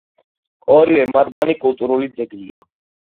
ორივე მათგანი კულტურული ძეგლია.